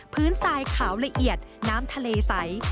ทรายขาวละเอียดน้ำทะเลใส